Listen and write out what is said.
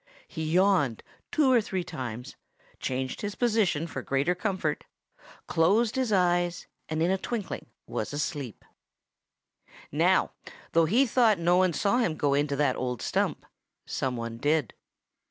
He yawned two or three times, changed his position for greater comfort, closed his eyes, and in a twinkling was asleep. Now, though he thought no one saw him go into that old stump, some one did.